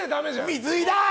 水井だ。